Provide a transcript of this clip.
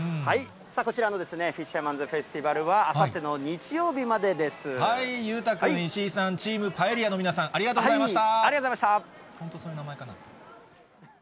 こちらのフィッシャーマンズフェスティバルは、あさっての日曜日裕太君、石井さん、チームパエリアの皆さん、ありがとうございました。